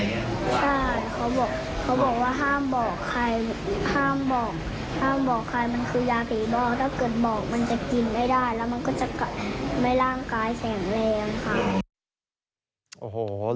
หลอกได้เลยลุงก็จะซื้อให้